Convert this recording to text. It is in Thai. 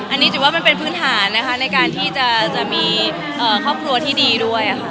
อันนี้ถือว่ามันเป็นพื้นฐานนะคะในการที่จะมีครอบครัวที่ดีด้วยค่ะ